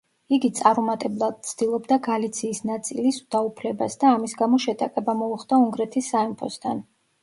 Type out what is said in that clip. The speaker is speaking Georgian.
იგი წარუმატებლად ცდილობდა გალიციის ნაწილის დაუფლებას და ამის გამო შეტაკება მოუხდა უნგრეთის სამეფოსთან.